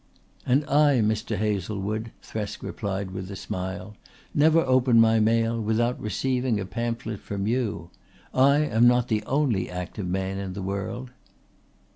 "And I, Mr. Hazlewood," Thresk replied with a smile, "never open my mail without receiving a pamphlet from you. I am not the only active man in the world."